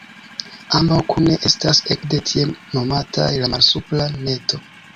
Ambaŭ kune estas ekde tie nomataj la Malsupra Neto.